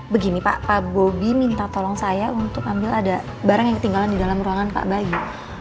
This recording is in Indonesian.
begini pak bobi minta tolong saya untuk ambil ada barang yang ketinggalan di dalam ruangan pak bayu